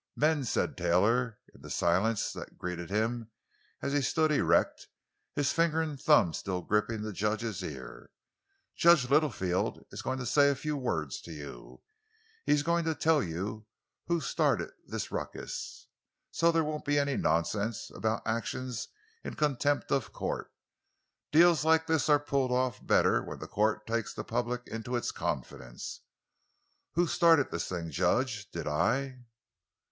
"Men," said Taylor, in the silence that greeted him as he stood erect, his finger and thumb still gripping the judge's ear, "Judge Littlefield is going to say a few words to you. He's going to tell you who started this ruckus—so there won't be any nonsense about actions in contempt of court. Deals like this are pulled off better when the court takes the public into its confidence. Who started this thing, judge? Did I?"